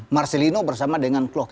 marcelino bersama dengan klok